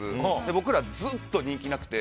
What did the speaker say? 僕ら、ずっと人気なくて。